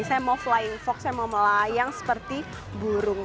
saya mau flying fox saya mau melayang seperti burung